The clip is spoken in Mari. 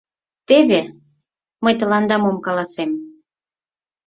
Теве мый тыланда мом каласем!